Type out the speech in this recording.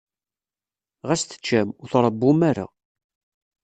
Ɣas teččam, ur tṛewwum ara.